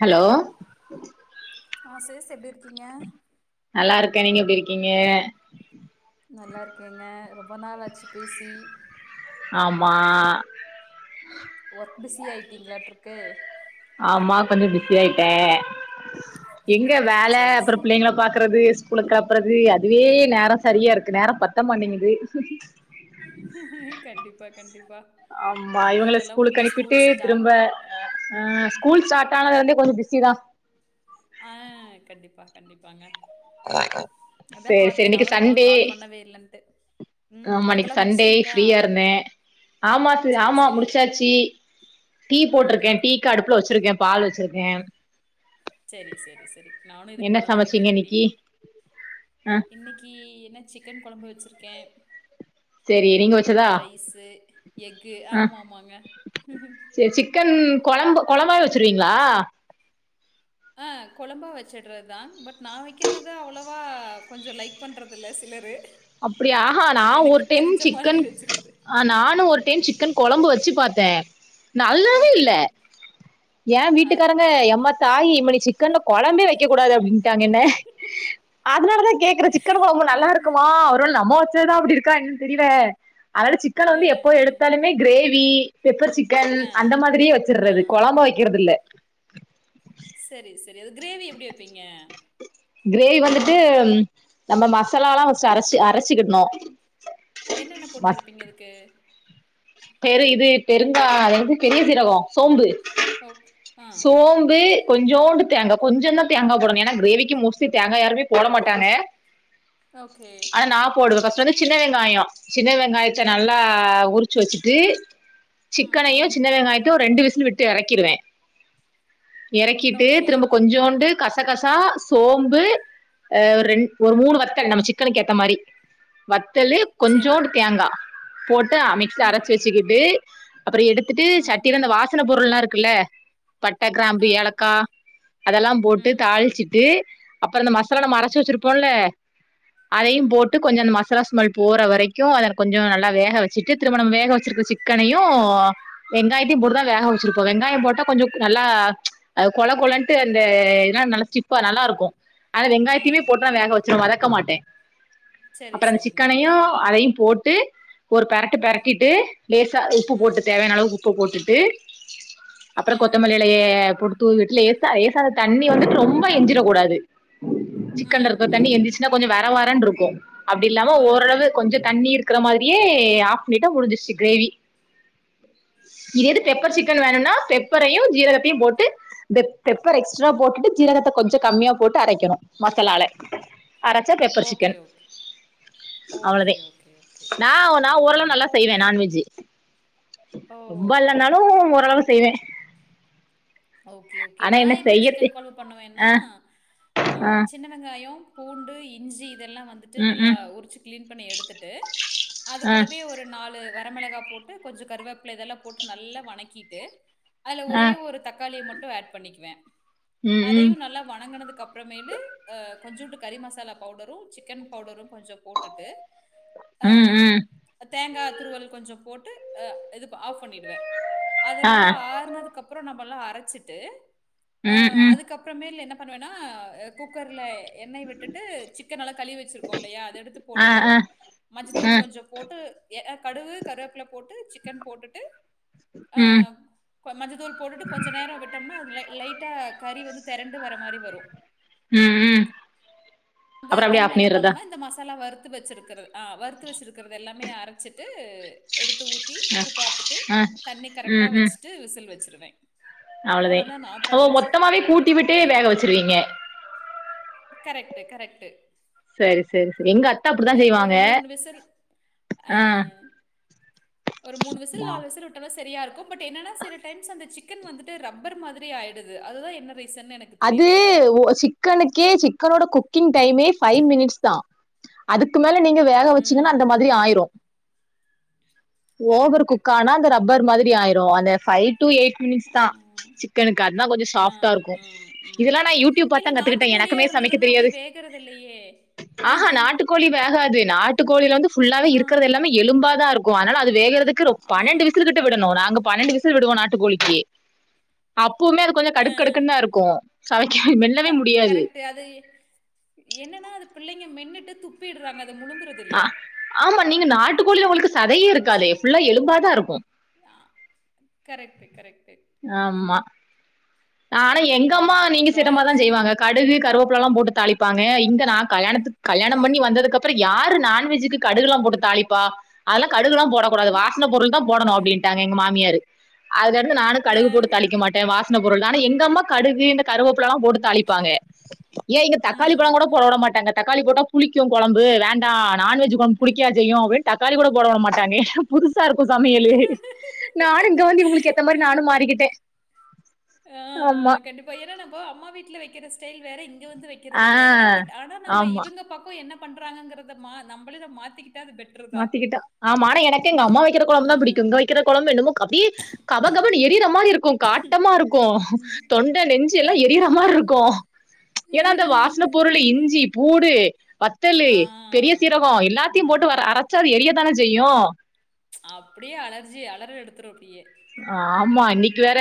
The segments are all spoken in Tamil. ஹலோ ஆ சேர்ஸ் எப்டி இருக் க்கீங்க க்க நீங்க எப்டி இருக்கீங்க நல்லாருக்கேங்க ரொம்போ நாள் ஆச்சு பேசி ஆமா ஒர்க் பிஸி ஆயிட்டீங்களாட்டுருக்கு ஆமா கொஞ்சோ பிஸி ஆயிட்டே எங்க வேல செரி அப்புறோ புள்ளைங்கள பாத் க்கறது ஸ்கூலுக்கு கெளப்பறது அதுவே நேரோ சரியா இருக்கு நேரோ பத்த மாட்டேங்குது கண்டிப்பா கண்டிப்பா ஆம்மா இவங்கள லீவ் எல்லா ஸ்கூலுக்கு முடிஞ்சு அனுப்பிட்டு ஸ்கூல் திரும்ப ஸ்டார்ட் அ அ ஸ்கூல் ஸ்டாட் டானது வந்து கொஞ்சோ பிஸிதா ஆ கண்டிப்பா கண்டிப்பாங்க ஆ அதா சேரி சேரி பாத்தே இன்னைக்கு நானு ரொம்ப நாள் சண்டே கால் பண்ணவே இல்லன்ட்டு ம் ஆமா ஒர்க்கெல்லா இன்னைக்கு சண்டே முடிச்சுட்டீங்களா ஃபிரீயா இருந்த ஆமா சி செரி ஆமா செரி முடுச்சாச்சி டீ போட்ருக்க ம் டீக்கு அடுப்புல வெச்சுருக்கேம் பால் வெச்சுருக்கேம் சேரி சேரி சேரி நானு இதுக்கு மேலதா சமைச்சீங்க வெக்கணு டீ இன்னைக்கி ஆ இன்னைக்கு என்ன சிக்கன் கொழம்பு வெச்சுருக் கேம் சேரி நீங்க வெச்சதா எக்கு ஆ ஆமா ஆமாங்க சேர் சிக்கன் கொழம்பு அது கொழம்பாவே வெச்சுருவீங்களா ஆ கொழம்பா வெச்சுடுறதா பட் நா வெக்கிறது அவ்வளோ வா கொஞ்சோ லைக் பண்றதில்ல சிலரு அப்பிடியா ஆஹா நா எனக்கு ஒரு டைம் தெரிஞ்ச மாதிரி சிக்கன் வச்சிருது. ஆ நானு ஒரு டைம் சிக்கன் கொழம்பு வச்சு பாத் தே நல்லாவே ஓகே. இல்ல யேன் வீட்டுக்காரங்க அதான். எம்மா தாயி இனிமே நீ சிக் கன்ல கொழம்பே வைக்கக்கூடாது அப்டின் ட்டாங்க என்ன அதனாலதா கேக்கற சிக்கன் கொழம்பு நல்லாருக்கு ஒருவேள நம்ம வச்சதுதா அப்பிடி இருக்கா என்னன்னு தெரில அதனால சிக்கன் அ, வந்து எப்போ அ. எடுத்தாலுமே கிரேவி பெப்பர் சிக்கன் ஆ, அந்த மாதிரியே ஆ. வச்சுர்றது கொழம்பா வைக்கறதில்ல செரி செரி அது கிரேவி எப்டி வப்பீங்க கிரேவி வந்துட்டு ம் நம்ம மசாலால்லா ஃபஸ்ட்டு அரச்சு அரச்சுக்கிட்ணு என்னென்ன போட்டு அரைப்பீங்க அதுக்கு பெரு இது பெருங்கா அது என்னது பெரிய சீரகோ சோம்பு ஓக் ஆ. சோம்பு கொஞ்சோண்டு தேங்கா கொஞ்சந்தா தேங்கா போடணு ஏன்னா கிரேவிக்கி மோஸ்ட்லி தேங்கா யாருமே போட மாட்டாங்க ஓகே. ஆனா நா போடுவே ஃபஸ் கொஞ்சோ சின்ன வெங்காயோ சின்ன வெங்காயத்த ஓகே. நல்லா உரி ச்சு வச்சிட்டு ம், சிக்கனயு ம். சின்ன வெங்காயத்தயு ரெண்டு விசி லு விட்டு எறக்கிருவே எறக்கிட்டு ஓகே. திரும்ப கொஞ்சோண்டு கசகசா சோம்பு ஆ ஒரு ரெண் ஒரு மூணு வத்தல் நம்ம சிக்கனுக்கு ஏத்த மாரி வத் தலு சரி. கொஞ்சோண்டு தேங்கா போட்டு அ ம், ரச்சு ம். வச்சுக்கிட்டு அப்புற எடுத்துட்டு ம். சட்டில அந்த வாசன பொருள்லா இருக்குல்ல பட்ட கிராம்பு ஆ. ஏலக்கா அதெல்லாம் போட்டு ம், ம். தாளிச்சுட்டு அப்புற இந்த மசாலா நம்ம ம். அரச்சு வச்சிருப்போல்ல அதையு ம். போட்டு கொஞ்ச அந்த மசாலா ஸ் மெல் போற வரைக்கு அத கொஞ்ச நல்லா வேக வச்சுட்டு திருமும நம வேக வச்சிருக்க சிக்கனையு வெங்காயத்தியு போட்டுதா வேக வச்சிருப்போ வெங்காயோ போட்டா கொஞ்சோ நல்லா கொழ கொழன்ட்டு அந்த இதனால நல்லா சிப்பா நல்லா இருக்கு ஆனா வெங்காயத்தியுமே ம். போட்டுதா ம். வேக வச்சிரு வதக்க மாட்டே சரி, அப்புறோ அந்த சரிங்க. சிக்கனையு ஆ. அதையு போட் ட்டு ஒரு ட்டு ம். பெறட்டிட்டு லேசா உப்பு போட்டு ம். தேவையான அளவு உப்பு போட்டுட் ட்டு அப்புற ம். கொத்தமல்லி இலைய தூவிட்டு லேசா லேசா தண்ணி வந்துட்டு ரொம்ப எஞ்சிரக் கூடாது சிக்கன்ல ம். இருக்க தண்ணி ம். எந்திசிச்சன்னா கொஞ்ச வேற த வரன் இருக்கு அப்பிடி இல்லாம ம். ஓரளவு கொஞ்ச தண்ணீயிர்க்கு இருக்கிற மாதிரியே ஆப் நெய்ட்டா முடிஞ்சிருச்சி கிரேவி இது எது பெப்பர் ஓகே, சிக்கன் ஓகே, வேணுன்னா ஓகே. பெப்பரையு ஜீரகத் யும் போட்டு பெப் பெப்பர் எக்ஸ்ட்ரா போட்டுட்டு ஜீரகத்த கொஞ்ச கம்மியா போட்டு அரைக்கணு மசாலால அரச்சா பெப்பர் ஓகே, சிக்கன் ஓகே. அவ்வளதே ஓகே, ஓகே, ஓகே. நா நா ம். ஓரளவு க்கே நான்வெஜ் ஓ! ரொம்ப இல்லனாலு ஓரளவு செய்வே ஓகே ஓகே ஆனா நா என்ன எப்பிடி செய்யத்து சிக்கன் கொழம்பு பண்ணுவேன்னா ஆ ஆ சின்ன வெங்காயோ பூண்டு இஞ்சி இதெல்லா வந்துட்டு ம் நல்லா ம் உரிச்சி கிளீன் பண்ணி எடுத்துட்டு அது ஆ கூடவே ஒரு நாலு வரமிளகா போட்டு கொஞ்ச கருவேப்பில இதெல்லா போட்டு நல்லா வணக்கிட்டு அது ஆ ஒரே ஒரு தக் தக்காளிய மட்டு ஆட் பண்ணிக்குவே ம் ம் அதையு நல்லா வணங்கனதுக்கு அப் ப்புறமேலு அ கொஞ்சுண்டு கறி மசாலா பவுடரு சிக்கன் பவுடரு கொஞ்சோ போட்டுட்டு ஆ ம் ம் தேங்கா துருவல் கொஞ்சோ போட்டு் அ அது ஆஃப் பண்ணிடுவே அது ஆ நல்லா ஆற்னதுக்கு அப் ப்புறோ நம்மல்லா ஆட் அரச்சிட்டு ஆ ம் ம் அதுக்கப்புறமேலு என்னப் பண்ணுவேன்னா குக்கர்ல எண்ணெய் விட்டுட்டு சிக் கன் நல்லா கழுவி வச்சிருக்கோம் இல்லையா அதை எடுத்து ஆ போட்டுட்டு ஆ ஆ மஞ்சத்தூள் கொஞ்சம் போட்டு ஏ கடுவு கருவேப்பில போட்டு சிக்கன் போட்டுட்டு ஆ ம் மஞ்ச தூள் போட்டுட்டு கொஞ்ச நேரம் விட்டோம்னா அதுலே லைட்டா கறி வந்து திரண்டு வர மாரி வரும் ம் ம் அப்புறம் அப்படியே அப்பண்ணிடறதா வருத்து வச்சிக்கிறது ஆ வருத்து வச்சிருக்கிறது எல்லாமே அரைச்சிட்டு எடுத் து ஊத்தி ஆ உப்பு பாத்துட்டு ஆ தண்ணி கரெக்ட்டா வச்சுட்டு விசில் வச்சிரு வேன் அவ்ளோதேன் மொத்தமாவே குழம்பு. கூட்டி விட்டு அ வேக வச்சிருவீங்க கரெக்ட்டு கரெக்ட்டு சரி சரி சரி எங்க அத்தை அப்படித்தான் வெ ஒரு செய்வாங்க விசில் அ ஆ ஒரு விசில், ஆ விசில் விட்டாலும் சரியா இருக்கும் பட் என்னன்னா சில டைம்ஸ் அந்த சிக் கன் வந்துட்டு ரப்பர் மாதிரி ஆயிடுது அதுதான் என்ன ரீசன்னு எனக்கு அது தெரியறதில்ல. ஓ சிக்கனுக்கே சிக்கனோட குக்கிங் டைமே ஃபைவ் மினிட்ஸ் தான் அதுக் க்கு மேல நீங்க வேக வச்சீங்கன்னா ம். அந்த மாதிரி ஆயிரும் ஓவர் கரெக்ட்டு. குக்கானா அந்த ரப்பர் மாதிரி ஆயிரும் அந்த ஃபைவ் டூ எயிட் மினிட்ஸ் தான் ஆ. சிக்கனுக்கு அது தான் கொஞ்சம் ஆ, சாப்டா இருக்கும் ம், ம். இதெல்லாம் நான் யூ டியூப் பார்த்து இல்ல தான் கத்துக்கிட்டேன் நாட்டுக்கோழியா எனக்குமே சமைக்க இருந்ததுன்னா அப்படி தெரியாது வேகறது இல்லையே. ஆ நாட்டுக்கோழி வேகாது நாட் நாட்டு கோழில வந்து ஃபுல்லாவே ஆ, இருக்கிறது எல்லாமே எலும்பா தான் இருக் கும் அதனால அது வேகற துக்கு ஆ, பன்னெண்டு விசில் கிட்ட விடணும் நாங்க பன்னெண்டு விசில் விடுவோம் நாட்டு கோழிக்கு அப் புவுமே அது கொஞ்சம் ஆ. கடுக்கடுக்குன் தா இருக் க கரெக்ட்டு அது என்னன்னா அது பிள்ளைங்க மென்னு டு துப்பிடுறாங்க அது முழுங்குறது இல்ல. ஆ ஆமா நீங்க நாட்டு கோழில உங்களுக்கு சதையே சி இருக்காது ஃபுல்லா எலும்பாதா இருக்கும் கரெட்டு கரெட் ஆமா ஆனா எங்கம்மா ம். இப்ப நீங்க செய்ற மாரி பிராய்லர் தா சிக் செய்வாங்க கடுகு கருவேப் பிலலாம் போட்டு தாளிப்பாங்க இங்க நா கல்யாணத்துக்கு கல்யாணம் பண்ணி ம். வந்ததுக்கப்புறம் யாரு நான்வெஜுக்கு கடுகுலா போட்டு தாளிப்பா அதல்லா கடுகுலா போடக்கூடாது வாசன பொருள் தான் போடனும் அப் டின்ட்டாங்க எங்க மாமியாரு அதுல இருந்து நானும் அ, கடுகு போட்டு தாளிக்க மாட்டன் வாச பொருள்தா ஆனா எங்க அம்மா கடுகு இந்த கருவேப்பிலலா போட்டு தாளிப்பாங்க ஏ இங்க தக்காளி பழ ம், கூட போட ம். டமாட்டாங்க தக்காளி போட்டா புளிக்கும் கொழம்பு வேண்டா நான்வெஜி கொழம்பு அ. புளிக்காவ செய்யும் அப்டின் தக்காளி கூட போட உட மாட்டாங்கே புது சா இருக்கும் சமையிலு நானும் இங்க வந்து இவங்களுக்கு ஏத்த மாரி நானும் கண்டிப்பா. மாறிக்கிட்டே ஆ ஆ கண்டிப்பா ஏனா நா இப்போ அம்மா வீட்ல வெக்கிற ஸ்டைல் வேற இங் க வந்து வக்கிறது வேற ஆஹ் பட் ஆனா நம்ப ஆமா இவங்க பக்கம் என்ன பண்றாங்க கிறத மா நம்பளே இத மாத்திக்கிட் மாத்திக்கிட்டா ஆமா ஆனா எனக்கு எங்க அம்மா வெக்கிற ஆ, கொழம்பு தா பிடிக்கும் இங்க வக்கிற கொழம்பு என்னமோ க அப்டியே கபகபனு எரிர மா ரி இருக்கும் காட்டமா இருக்கும் ம். தொண்ட நெஞ்சி எல்லா கரெக்ட், எரியிற கரெக்ட். மாரிருக்கும் ஏனா அந்த வாசன பொருளு இஞ்சி பூடு வத் தலு ஆ. பெரிய சீரகோ எல்லாத்தியும் போட்டு வர ம். அர ச்சா அது எரிய தான செய்யும் அப்டியே அலர்ஜி அலர எடுத்துரு அப்டியே ஆமா இன்னிக்கு வேற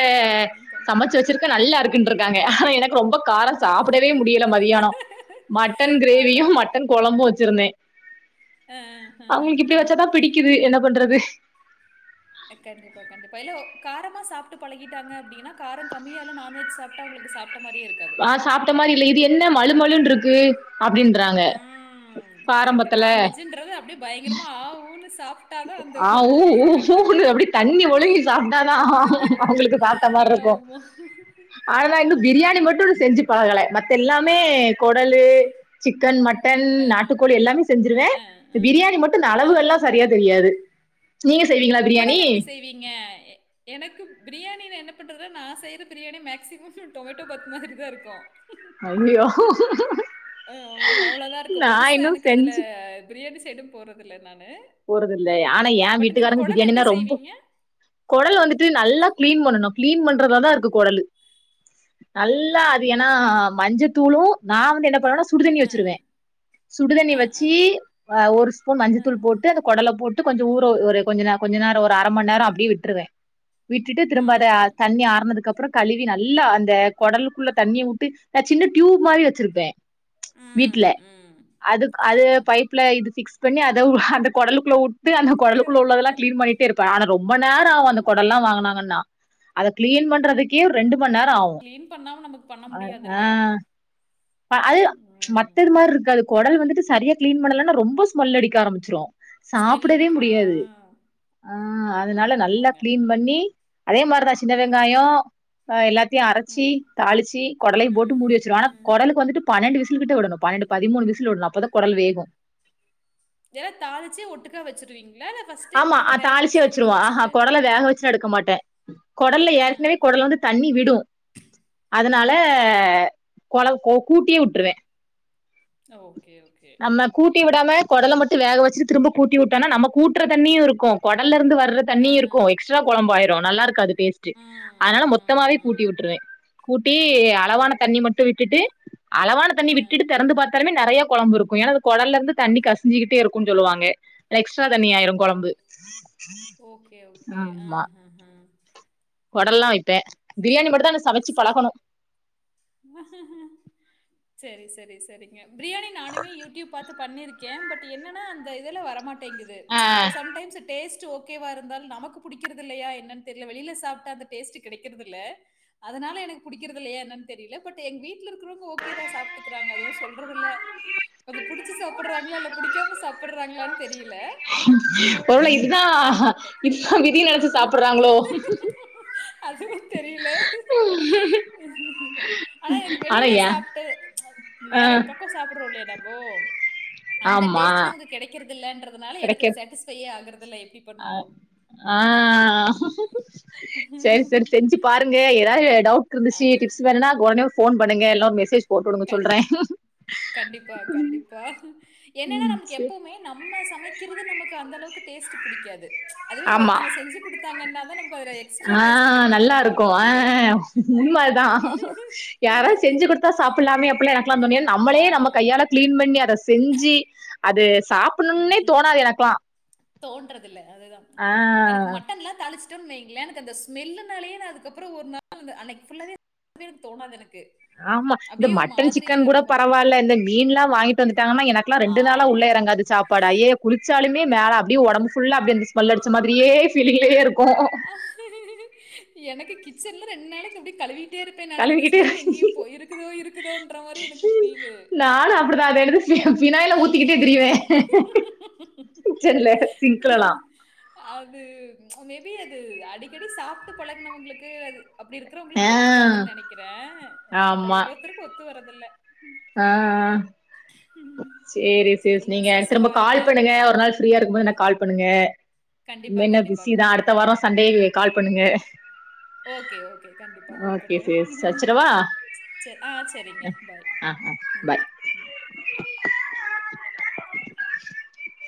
கண் சமச்சு வெச்சுருக்க நல்லாருக்குன்ற காங்க ஆனா எனக்கு ரொம்பக் காரோ சாப்புடவே முடியல மத்தியானோ மட்டன் அட. கிரேவியு மட்டன் கொழம்பு வெச்சுருந்தே அ, ஹ, ஹ, அவுங்களுக்கு ஹ, இப்டி ஹ. வெச்சாதா பிடிக்குது என்ன பண்றது ஆ கண்டிப்பா கண்டிப்பா எல்லோ காரமா சாப்டு பழகிடாங்க அப்டினா காரங் கம்மியாலா நான்வெஜ் சாப்டா அவுங்களுக்கு சாப் ஆ சாப்ட மாரி இல்ல இது என்ன மழுமழுன்ட்ருக் கு ம் கரெக்ட்டு காரம்பத்துல நான்வெஜ்ஜுன்றது அப்டியே பயங்கரமா ஆ ஊனுஸ் ஆ ஊ ஊ ஊனு அப்டி தண்ணி ஒழுகி சாப்டாதா அவுங்களுக்கு சாப்ட மார் இருக்கு ஆமா. ஆனா இன்னு பிரியாணி ஆமாமா. மட்டு செஞ்சு பழகல மத்தெல்லாமே கொடலு சிக்கன் மட்டன் அ, நாட்டுக்கோழி எல்லாமே செஞ்சுருவ அ, அ, பிரியாணி மட்டு இந்த அளவுகல்லா சரியா எது கொடலு எப்டி செய்வீங்க எனக்கு பிரியாணி வேன் என்ன பண்றது நா செய்ற பிரியாணி மேக்சிமம் டொமேட்டோ பாத் மாதிரிதா இருக்கு ஐயோ அஹ், ஆமா, அவ்வளோதான் இருக்கும். நா பெருசா இன்னு எனக்கு அதுல செஞ்சு பிரியாணி சைடும் போறதில்ல நான் போறதில்லை ஆனா ஏ வீட்டுக்காரங்க குடல் பிரியாணினா எப்படி ரொம்போ செய்வீங்க? கொடல் வந்துட்டு நல்லா க்ளீன் பண் பண்ணு க்ளீன் பண்றதுலதா இருக்கு கொடலு நல்லா ஓகே. அது ஏனா மஞ்சத் தூளு நா வந்து என்ன பண்ணுவேனாஸ் சுடுதண்ணி அ, வெச்சுருவே சுடுதண்ணி அ, அ, வெச்சி அ ஒரு ஸ்பூன் அ. மஞ்சத்தூள் போட் நல்லாப் போட்டு கொஞ்சோ ஊரோ ஒரு கொஞ்ச நே கொஞ்ச நேரோ ஒரு அரமண் நேரோ அப்டியே விட்டுருவே விட்டுட்டு திரும்ப ம், அத ம். தண்ணி ஆர்னதுக்கு அப் ப்புறோ கழுவி நல்லா அந்த கொடலுக்குள்ள தண்ணிய உட்டு நா சின்ன டியூப் மாரி வெச்சுருப்பே வீட்ல ம், ம். அது அ. அது பைப்ல இது ஃபிக்ஸ் பண்ணி அதவு அதப் கொடலுக்குள்ள உட் ட்டு அந்த கொடலுக்குள்ள கரெக்ட், உள்ளதெல்லா கரெக்ட். க்ளீன் பண்ணிட்டேருப்பே ஆனா ரொம்ப நேரோ ஆ. ஆவு அந்த கொடல்லா வாங்னாங்கன்னா அத க்ளீன் பண்றதுக்கே ஒரு ரெண்டும் மண் நேரோ ஆவு கிளீன் பண்ணாம நமக்கு பண்ண ஆ ஆ முடியாதுல்ல. அது ம். மத்தது மாரி இருக்காது கொடல் வந்துட்டு சரியா கிளீன் பண்ணலன்ன ரொம்ப ஸ்மெல் அடிக்க ஆரம்பிச்சிரு ஸ்மெல் சாப்டவே அடிக் ஆ. முடியாது ஆ அதனால ஆமா, நல்லா ஆமாங்க. கிளீன் பண்ணி அதே மார்தா சின்ன ம், வெங்காயோ எல்லாத்தையு அரச்சி ம், தாளிச்சி கொடலயு போட்டு ம், மூடிவச்சிருவோ ம். ஆனா வந்துட்டு பன்னெண்டு விசில் கிட்ட உடணு பன்னெண்டு, பதிமூனு விசில் உடனு அப்போதா கொடல் வேகு. இதெல்லாம் தாளிச்சே ஒட்டுக்கா வச்சுருவீங்களா? இல்ல ஃபர்ஸ்ட்டே ஆமா குடல வேக தாளிச்சி வச்சு எடுத்து வச்சுருவோ ஆஹா வச்சுட்டு கொடல வேக வச்சுல்லா எடுக்க மாட்டே கொடல்லே அ. ஏற்கனவே கொடல்ல வந்து தண்ணி விடு அதனால ம். கொழ கு கூட்டியே விட்ருவே ஓகே ஓகே ஙகாம கொடல மட்டு வேக வச்சுட்டு திரும்ப கூட்டிவிட்டானா நம்ம கூ தண்ணியுருக்க கொடல்லருந்து வர்ற அ. தண்ணியுருக்கு எக்ஸ்ரா குழம்பாயிரு நல்லா இருக்காது ம், அதனால ம், மொத்தமாவே கூட்டி ம். விட்டுருவே கூ டி அளவான ஓகே. தண்ணி மட்டு விட்டுட்டு [inaudible] அளவான தண்ணி அ. விட்டுட்டு தெறந்து பாத்தாளுமே நெறயா கொழம்பு இருக்கு ஏன்னா அது கொடலருந்து தண்ணி கசுஞ்சிக்கிட்டே இருக்குன்னு சொல்லுவாங்க எக்ஸ்ட்ரா தண்ணி ஆயு ஓ ஓகே ஓகே ஆ ஆமா ஆ ஆ கொடல்லா வைப்பே பிரியாணி மட்டுதா இன்னு சமச்சு பழகணு செரி செரி செரிங்க பிரியாணி நானுமே யூடியூப் பாத்து பண்ணியிருக்கே பட் என்னன்னா அந்த இதுலா வரமா டேங்குது ஆ சம்டைம்ஸ் டேஸ் கொஞ்சோ ஓகேவாருந்தாலு நமக்கு புடிக்கிறதில்லையா என்னன்னு தெர்யல வெளியில சாப்ட்டா அந்த டேஸ்ட்டு கெடக்குறது இல்ல ல்ல அதனால எனக்கு புடிக்றதுல்லையா என்னன்னு தெரியல பட் எங்க வீ வீட்ல இருக்குறவங்க ஓகே தா சாப்ட்டுகுறாங்க அது சொல்றது இல்ல அத புடிச்சு சாப்ருறாங்களா இல்ல புடிக்காம சாப்ருறாங்களா சாப் சாப்ருறாங்களானு ஒருவேல இதுதா அ பட் இதுதா விதின்னு நெனச்சு சாப்ருறாங்களோ அதுவு தெரியல்ல ஆனா இப்டி ஆனா வெளில ஏ சாப்ட்டு ஆ வேற பக்கம் சாப்படுறோம் இல்லையா ம் அந்த ஆமா டேஸ்ட் அவுங்க கிடைறதில்லன்றதுனால எனக்கு சாட்டிஸ்ஃபையே ஆகுறது தில்லை அ ஆ செரி செரி செஞ்சு பாருங்க ஏதாவ டவுட் ஆ, இருந்துச்சு டிப்ஸ் வேணும்னா உடனே ஃபோன் பண்ணுங்க இல்லனா ஒரு மெசேஜ் போட்டு விடுங்க கண்- சொல்றேன் கண்டிப்பா கண்டிப்பா என்னன்னா ம் நமக்கு செ எப்பவுமே நம்ம சமைக்கிறது நமக்கு அந்த அளவுக்கு டேஸ்ட் புடிக்கா ஆமா தான் நமக்கு அதுல எக்ஸ்ட்ரா ஆ டேஸ்ட் கிடைக்கிற நல்லா மாதிரி ஒரு இருக்கும் ஆ ஃபீல் உண்மைதான் யாரும் செஞ்சு குடுத்தா சாப்பிடலாமே அப்டிலாம் எனக்கெல்லாம் தோனும் ஆ நம்மளே நம்ம கையால கிளீன் பண்ணி அத செஞ்சு அது சாப்பிடணும்னே தோணாது எனக்கெல்லாம் தோன்றது இல்லை அதுதான் அதுதான் எனக்கு மட்டன் எல்லாம் தாளிச்சுட்டோம் வைங் எனக்கு அந்த ஸ்மெல்லனுனாலே நான் அதுக்கப்புறம் ஒரு நாள் அன்னைக்கு ஃபுல்லாவே தோணாது எனக் ஆமா இந்த மட்டன் சிக்கன் கூட இருக்கும் எனக்கு பரவாயில்ல இந்த மீன் எல்லாம் வாங்கிட்டு வந்துட்டாங்கன்னா எனக்கெல்லாம் ஆ ரெண்டு நாளா உள்ள இறங்காது சாப் பாடு அய்யயோ குளிச்சாலு மே மேல அப்படியே உடம்பு ஃபுல்லா அப்படி இருந் ஸ்மெல் அடிச்ச மாதிரியே ஃபீலிங்கலேயே இருக் எனக்கு கிச்சன்ல ரெண்டு நாளைக்கு அப்படி கழுவி இருப்பேன் நடங்குது கழுவிக்கிட்டே ஸ்மெல் எங்கேயும் போ இருக்குதோ இருக்குதோன்ற மாதிரி எனக்கு பீலு பினாயில்ல ஊத்திக்கிட்டே திரியுவேன் சொல்லு சிங்காலா தெரியாது அது அடிக்கடி சாப்பிட்டு பழகுனவங்களுக்கு அது அப்படி ஆ இருக்கிறவங்களுக்கு தெரிவிக்காதுன்னு நெனைக்கிறேன் நமக்கு அது ஆமா ஒவ்வொருத்தர்க்கு ஒத்து வரா இருதுல்ல ஆ ஆ சேரி சேரி சிஸ் சரிங்க நீங்க திரும்ப பாருங்க கால் பண்ணுங்க ஒரு நாள் ஃப்ரீயா இருக்கு போது எனக்கு கால் பண்ணுங்க கண்டிப்பா இனிமே என்ன கண்டிப்பா பிஸி தா அடுத்த கூப்பிடறேங்க வாரோ சண்டே கால் பண்ணுங்க ஓகே ஓகே கண்டிப்பா ஓகே கூப்பிடறே சிஸ் வச்சிரவா சே ஆ சேரிங்க பாய் ஆ ஆ ம் பாய் [unintelligible]